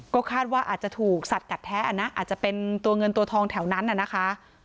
ก็คาดว่าอาจจะถูกสัตว์กัดแท้อ่ะนะอาจจะเป็นตัวเงินตัวทองแถวนั้นน่ะนะคะ